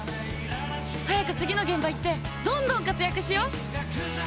早く次の現場行ってどんどん活躍しよう！